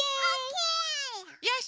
よし！